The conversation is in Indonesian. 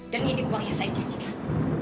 dan ini uang yang saya janjikan